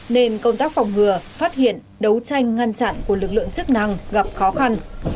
nên công tác phòng ngừa phát hiện đấu tranh ngăn chặn của lực lượng chức năng gặp khó khăn